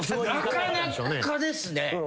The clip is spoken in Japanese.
なかなかですね。